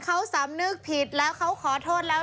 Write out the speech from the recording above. เขาสำนึกผิดแล้วเขาขอโทษแล้ว